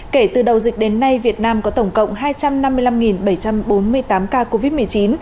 kể từ đầu dịch đến nay việt nam có tổng cộng hai trăm năm mươi năm bảy trăm bốn mươi tám ca covid một mươi chín